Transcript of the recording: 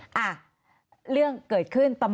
หลังบ้านที่เป็นฝั่งตรงใช่ไหมครับ